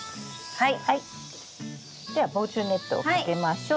はい。